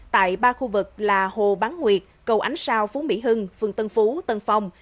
tại ba khu vực là hồ bán nguyệt cầu ánh sao phú mỹ hưng phường tân phú tân phong